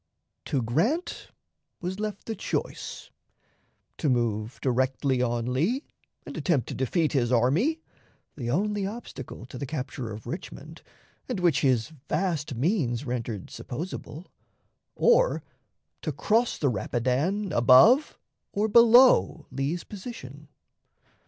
To Grant was left the choice to move directly on Lee and attempt to defeat his army, the only obstacle to the capture of Richmond, and which his vast means rendered supposable, or to cross the Rapidan above or below Lee's position.